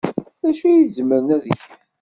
D acu ay zemren ad gen?